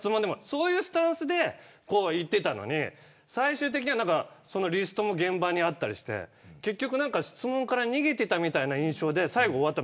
そういうスタンスで言ってたのに最終的にはリストが現場にあったりして結局、質問から逃げていたみたいな印象で最後、終わった。